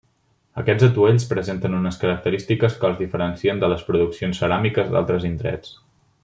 Aquests atuells presenten unes característiques que els diferencien de les produccions ceràmiques d'altres indrets.